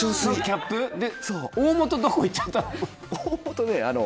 大元どこ行っちゃったの？